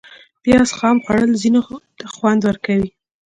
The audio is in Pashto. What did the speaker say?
پیاز خام خوړل ځینو ته خوند ورکوي